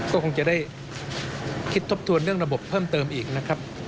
ก็คงจะได้คิดทบทวนเรื่องระบบเพิ่มเติมอีกนะครับ